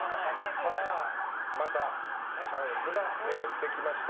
また、チャンスが巡ってきました。